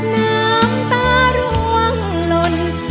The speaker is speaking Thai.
น้ำตาร่วงหล่น